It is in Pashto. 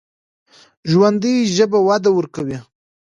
ژوندي ژبه وده ورکوي